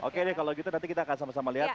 oke deh kalau gitu nanti kita akan sama sama lihat